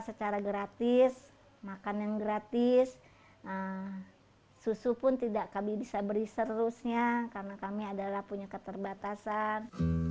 tempat secara gratis makanan gratis susu pun kami tidak bisa beri seluruhnya karena kami adalah punya keterbatasan